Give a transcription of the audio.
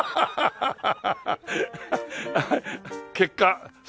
ハハハハッ。